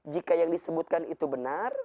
jika yang disebutkan itu benar